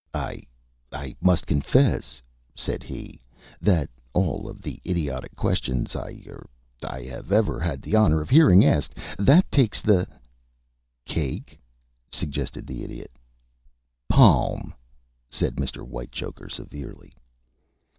"I I must confess," said he, "that of all the idiotic questions I er I have ever had the honor of hearing asked that takes the " "Cake?" suggested the Idiot. " palm!" said Mr. Whitechoker, severely.